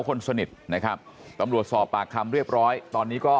คนสนิทนะครับตำรวจสอบปากคำเรียบร้อยตอนนี้ก็